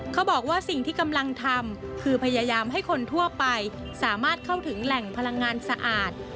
เขาบอกว่าสิ่งที่กำลังทำคือพยายามให้คนทั่วไปสามารถเข้าถึงแหล่งพลังงานสะอาด